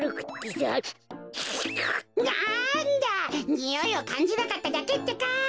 においをかんじなかっただけってか！